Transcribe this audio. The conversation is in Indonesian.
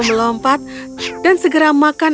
melompat dan segera makan